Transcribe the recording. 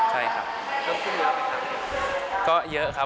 เพิ่มขึ้นเยอะไหมครับก็เยอะครับ